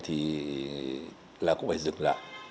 thì là cũng phải dừng lại